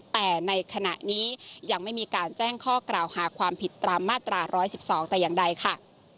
แต่ในขณะนี้ยังไม่มีการแจ้งข้อกล่าวหาความผิดตามมาตรา๑๑๒แต่อย่างใดค่ะ